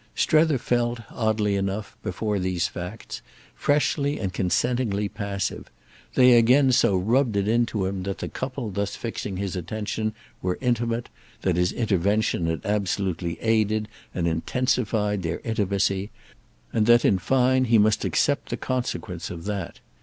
Strether felt, oddly enough, before these facts, freshly and consentingly passive; they again so rubbed it into him that the couple thus fixing his attention were intimate, that his intervention had absolutely aided and intensified their intimacy, and that in fine he must accept the consequence of that.